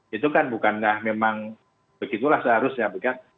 itu kan bukanlah memang begitulah seharusnya bukan